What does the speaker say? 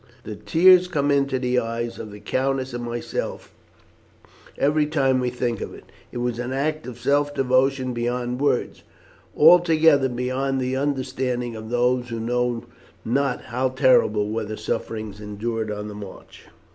The tears come into the eyes of the countess and myself every time we think of it. It was an act of self devotion beyond words; altogether beyond the understanding of those who know not how terrible were the sufferings endured on the march."